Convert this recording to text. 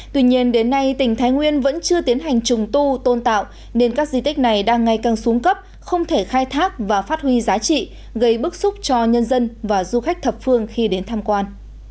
tuy nhiên đến nay tỉnh thái nguyên vẫn chưa tiến hành trùng tu tôn tạo nên các di tích này đang ngày càng xuống cấp không thể khai thác và phát huy giá trị gây bức xúc cho nhân dân và du khách thập phương khi đến tham quan